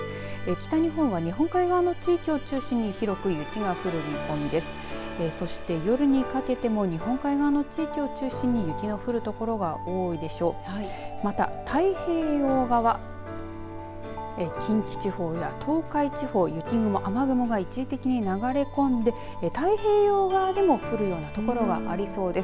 北日本は日本海側の地域を中心に広く雪が降る見込みです。